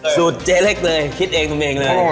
สูตรเจเล็กเลยคิดเองตัวเองเลย